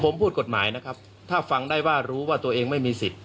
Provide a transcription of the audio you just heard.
ผมพูดกฎหมายนะครับถ้าฟังได้ว่ารู้ว่าตัวเองไม่มีสิทธิ์